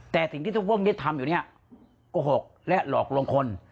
แต่สิ่งที่ทุกพวกนี้ทำอยู่เนี่ยโกหกและหลอกลวงคน